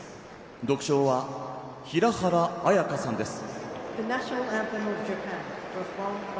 独唱は平原綾香さんです。